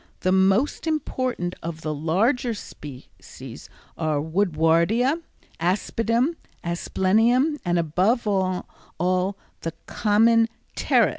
The most important of the larger species are woodwardia, aspidium, asplenium, and, above all, the common pteris.